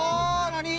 何？